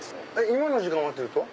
今の時間はっていうと？